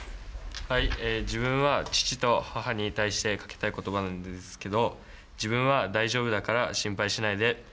自分は父と母に対してかけたいことばなんですけど、自分は大丈夫だから、心配しないで。